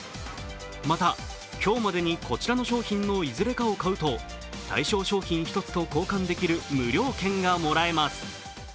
また、今日までにこちらの商品のいずれかを買うと対象商品１つと交換できる無料券がもらえます。